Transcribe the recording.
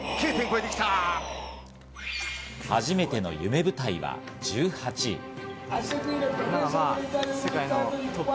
初めての夢舞台は１８位。